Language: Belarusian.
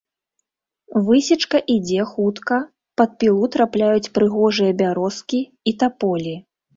Высечка ідзе хутка, пад пілу трапляюць прыгожыя бярозкі і таполі.